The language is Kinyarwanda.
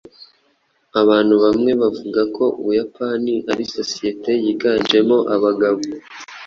Abantu bamwe bavuga ko Ubuyapani ari societe yiganjemo abagabo.